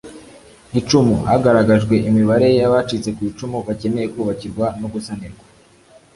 icumu hagaragajwe imibare y abacitse ku icumu bakeneye kubakirwa no gusanirwa